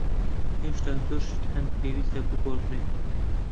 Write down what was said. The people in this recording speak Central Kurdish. هێشتا زۆر شت هەن پێویستە بگۆڕدرێن.